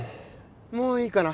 もういいかな？